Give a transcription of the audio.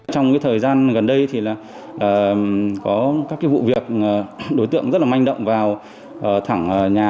trong thời gian gần đây có các vụ việc đối tượng rất là manh động vào thẳng nhà